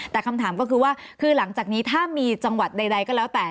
แต่คำถามก็คือว่าคือหลังจากนี้ถ้ามีจังหวัดใดก็แล้วแต่